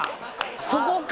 そこか！